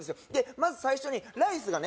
まず最初にライスがね